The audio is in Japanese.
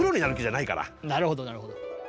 なるほどなるほど。